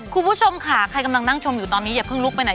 คุณผู้ชมค่ะใครกำลังนั่งชมอยู่ตอนนี้อย่าเพิ่งลุกไปไหน